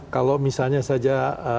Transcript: kalau misalnya saja